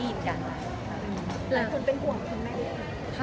คุณเป็นห่วงคุณแม่เหรอค่ะ